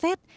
bà kinh tế